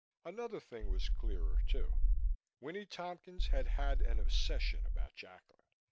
Another thing was clearer, too. Winnie Tompkins had had an obsession about Jacklin.